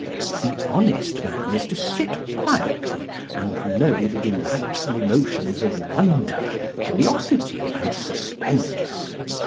The honest man is to sit quietly, and know the delightful emotions of wonder, curiosity, and suspense.